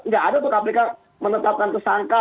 nggak ada tuh kpk menetapkan tersangka